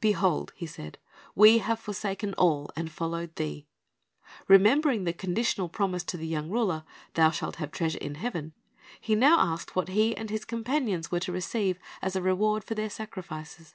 "Behold," he said, "we have forsaken all, and followed Thee." Remember ing the conditional promise to the young ruler, "Thou shalt have treasure «i , in heaven," he now asked what he and his companions were to receive as a reward for their sacrifices.